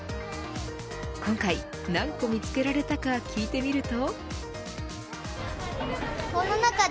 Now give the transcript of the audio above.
今回何個見つけられたか聞いてみると。